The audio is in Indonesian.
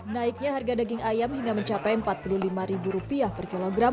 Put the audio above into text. naiknya harga daging ayam hingga mencapai empat puluh lima ribu rupiah per kilogram